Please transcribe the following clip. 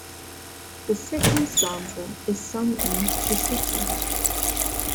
The second stanza is sung in Sesotho.